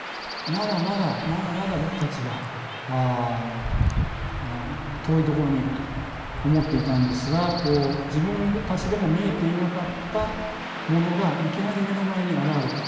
まだまだまだまだ僕たちは遠いところにいると思っていたんですが自分たちでも見えていなかったものがいきなり目の前に現れた。